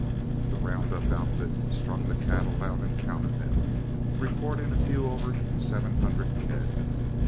The round up outfit strung the cattle out and counted them, reporting a few over seven hundred head.